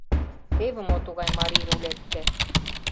Теве мо тугай марий рулетке!